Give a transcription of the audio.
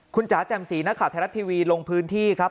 คุณจ๋าแจ่มสีนักข่าวไทยรัฐทีวีลงพื้นที่ครับ